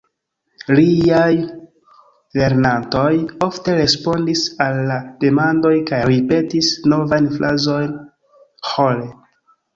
Liaj lernantoj ofte respondis al la demandoj kaj ripetis novajn frazojn ĥore.